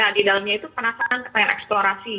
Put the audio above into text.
ya di dalamnya itu penasaran penasaran eksplorasi